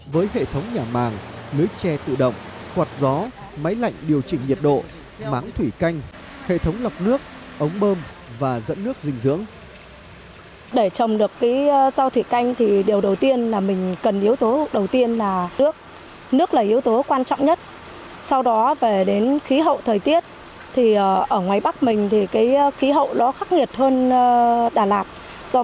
với hệ thống nhà màng lưới tre tự động quạt gió máy lạnh điều chỉnh nhiệt độ máng thủy canh hệ thống lọc nước ống bơm và dẫn nước dinh dưỡng